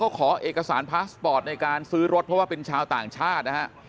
ขอเอกสารพาสปอร์ตในการซื้อรถเพราะว่าเป็นชาวต่างชาตินะฮะ